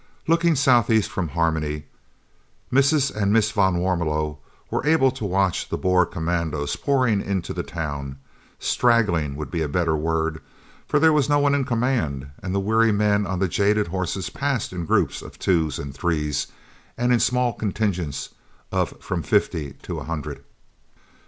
Looking south east from Harmony, Mrs. and Miss van Warmelo were able to watch the Boer commandos pouring into the town straggling would be a better word, for there was no one in command, and the weary men on their jaded horses passed in groups of twos and threes, and in small contingents of from fifty to a hundred.